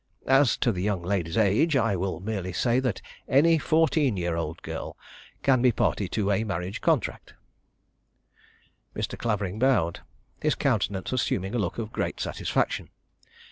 As to the young lady's age, I will merely say that any fourteen year old girl can be a party to a marriage contract." Mr. Clavering bowed, his countenance assuming a look of great satisfaction.